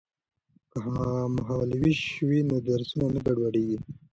که مهال ویش وي نو درسونه نه ګډوډیږي.